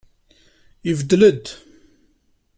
Ibeddel-d.